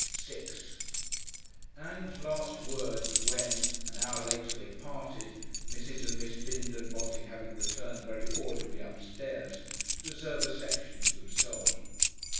§6 Ann's last words when, an hour later, they parted, Mrs. and Miss Bindon Botting having returned very audibly upstairs, deserve a section to themselves.